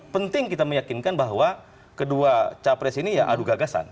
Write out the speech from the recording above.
penting kita meyakinkan bahwa kedua capres ini ya adu gagasan